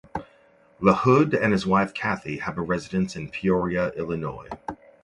LaHood and his wife Kathy have a residence in Peoria, Illinois.